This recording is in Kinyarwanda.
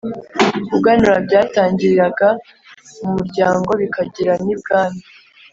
Kuganura byatangiriraga mu muryango bikagera n’ibwami,